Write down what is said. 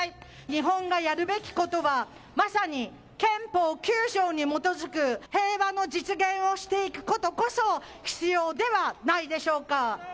日本がやるべきことはまさに憲法９条にもとづく平和の実現をしていくことこそ必要ではないでしょうか。